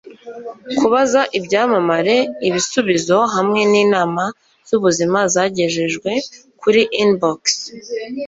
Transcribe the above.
Kubaza ibyamamare, ibisubizo hamwe ninama zubuzima zagejejwe kuri inbox.